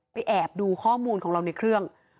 แอบดูข้อมูลของเราในเครื่อง